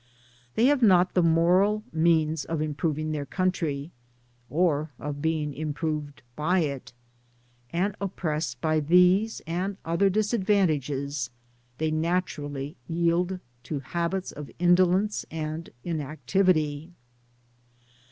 Tbey have not the moral means of improving their coimtry» or of being improved by it; and oppressed by these and other disadvantages^ they naturally yield to habits of indolence and inac tivity.